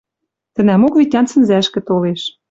Тӹнӓмок Витян сӹнзӓшкӹ толеш